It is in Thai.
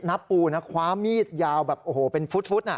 น้ำปูนะคว้ามีดยาวแบบโอ้โหเป็นฟุดน่ะ